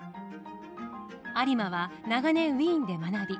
有馬は長年ウィーンで学び